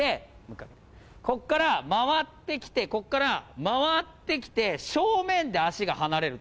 ここから回ってきて、ここから回ってきて、正面で足が離れると。